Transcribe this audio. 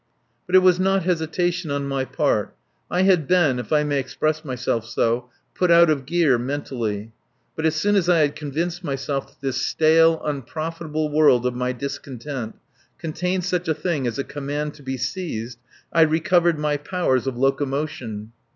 But it was not hesitation on my part. I had been, if I may express myself so, put out of gear mentally. But as soon as I had convinced myself that this stale, unprofitable world of my discontent contained such a thing as a command to be seized, I recovered my powers of locomotion.